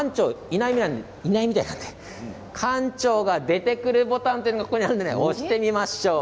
いないみたいなので館長が出てくるボタンというのがあるので押してみましょう。